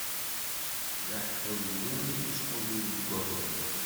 D aḥullu i ttḥullun deg wawal.